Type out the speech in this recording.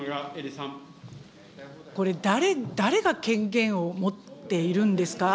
これ、誰が権限を持っているんですか。